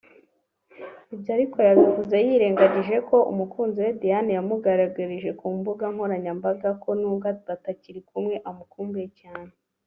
Ibyo ariko yabivuze yirengagije ko umukunzi we Diane yamugaragarije ku mbuga nkoranyambaga ko nubwo batakiri kumwe amukumbuye cyane